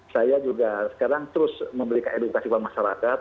saya juga sekarang terus memberikan edukasi kepada masyarakat